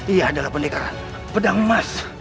ia adalah pendekar pedang emas